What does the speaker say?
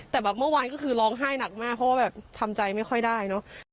แต่แบบเมื่อวานก็คือร้องไห้หนักมากเพราะว่าแบบทำใจไม่ค่อยได้เนอะ